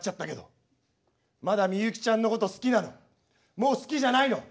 もう好きじゃないの？